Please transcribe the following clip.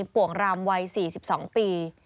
ป่วงรำวัย๔๒ปี